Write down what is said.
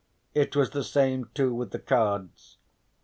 It was the same too with the cards.